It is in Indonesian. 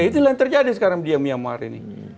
itulah yang terjadi sekarang di myanmar ini